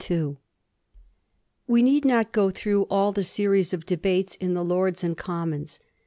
We need not go through all the series of debates in the Lords and Commons.